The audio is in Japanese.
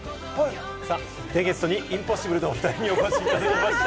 ゲストにインポッシブルのおふたりにお越しいただきました。